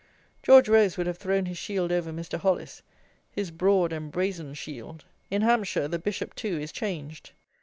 George Rose would have thrown his shield over Mr. Hollis; his broad and brazen shield. In Hampshire the Bishop, too, is changed.